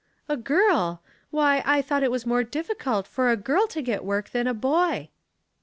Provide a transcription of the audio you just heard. "A girl! Why, I thought it was more difficult for a girl to get work than a boy?"